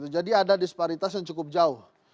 jadi ada disparitas yang cukup jauh